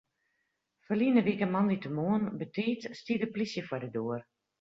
Ferline wike moandeitemoarn betiid stie de plysje foar de doar.